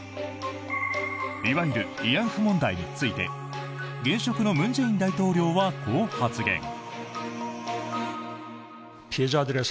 いわゆる慰安婦問題について現職の文在寅大統領はこう発言。